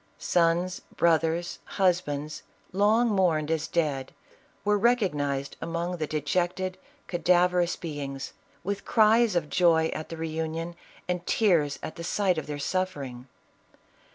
Sons, brothers, husbands, long mourned as dead, were recognized among the dejected, cadaverous be ings, with cries of joy at the reunion, and tears at the sight of their suffering.